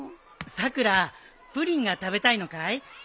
さくらプリンが食べたいのかい？